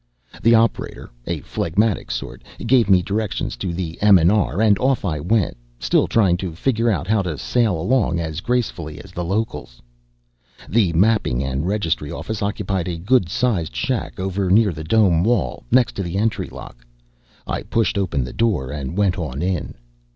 The operator a phlegmatic sort gave me directions to the M&R, and off I went, still trying to figure out how to sail along as gracefully as the locals. The Mapping & Registry Office occupied a good sized shack over near the dome wall, next to the entry lock. I pushed open the door and went on in.